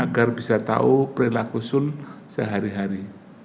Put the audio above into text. agar bisa tahu perilaku sun sehari hari